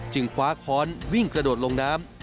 คว้าค้อนวิ่งกระโดดลงน้ำ